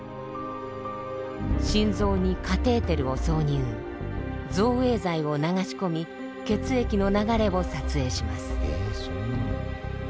心臓にカテーテルを挿入造影剤を流し込み血液の流れを撮影します。